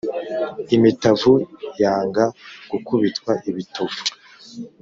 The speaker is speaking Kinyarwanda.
imitavu yanga gukubitwa ibitovu